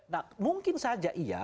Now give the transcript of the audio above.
nah mungkin saja iya